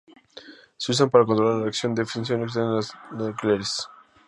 Se usan para controlar la reacción de fisión nuclear en las centrales nucleares.